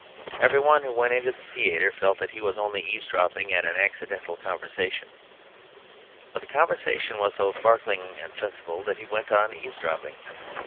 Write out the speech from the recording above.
Everyone who went into the theatre felt that he was only eavesdropping at an accidental conversation. But the conversation was so sparkling and sensible that he went on eavesdropping.